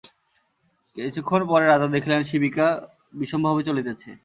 কিছুক্ষণ পরে রাজা দেখিলেন, শিবিকা বিষমভাবে চলিতেছে।